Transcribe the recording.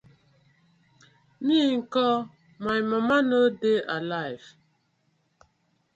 Mi nko, my mama no dey alife?